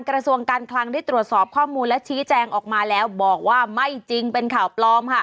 กระทรวงการคลังได้ตรวจสอบข้อมูลและชี้แจงออกมาแล้วบอกว่าไม่จริงเป็นข่าวปลอมค่ะ